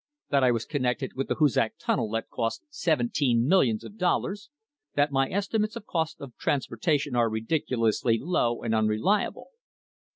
2. That I was connected with the Hoosac Tunnel that cost seventeen millions of dollars. 3. That my estimates of cost of transportation are ridiculously low and unreliable.